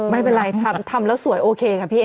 ไม่เป็นไรทำทำแล้วสวยโอเคค่ะพี่เอ